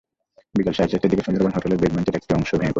বিকেল সাড়ে চারটার দিকে সুন্দরবন হোটেলের বেজমেন্টের একটি অংশও ভেঙে পড়ে।